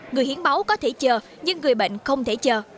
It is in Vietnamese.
người hiến máu có thể chờ nhưng người bệnh không thể chờ